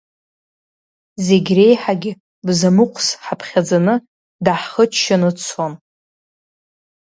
Зегь реиҳагьы бзамыҟәс ҳаԥхьаӡаны, даҳхыччаны дцон.